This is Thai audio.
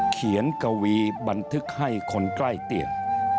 กวีบันทึกให้คนใกล้เตียง